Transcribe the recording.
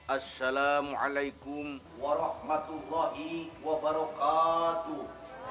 assalamualaikum warahmatullahi wabarakatuh